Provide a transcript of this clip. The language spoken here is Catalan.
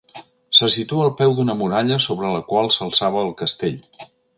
Se situa al peu d'una muralla sobre la qual s'alçava el Castell.